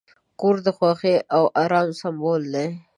کور د خوښۍ او آرام سمبول دی.